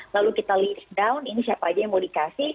lalu kita list down ini siapa aja yang mau dikasih